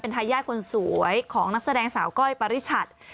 ทายาทคนสวยของนักแสดงสาวก้อยปริชัด